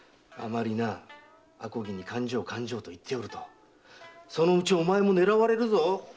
あまりあこぎに「勘定勘定」と言っておるとそのうちお前も狙われるぞ！